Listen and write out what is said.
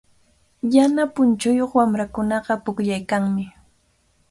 Yana punchuyuq wamrakunaqa pukllaykanmi.